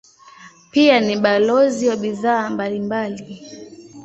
Pia ni balozi wa bidhaa mbalimbali.